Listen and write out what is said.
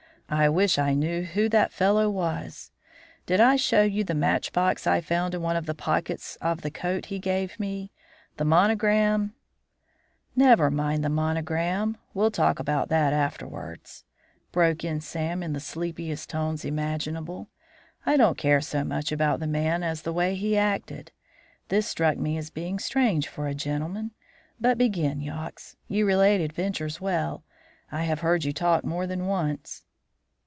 I wish I knew who that fellow was. Did I show you the match box I found in one of the pockets of the coat he gave me? The monogram " "Never mind the monogram. We'll talk about that afterwards," broke in Sam in the sleepiest tones imaginable. "I don't care so much about the man as the way he acted. This struck me as being strange for a gentleman. But begin, Yox; you relate adventures well. I have heard you talk more than once."